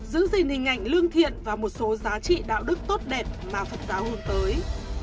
giữ gìn hình ảnh lương thiện và một số giá trị đạo đức tốt đẹp mà phật giáo hướng tới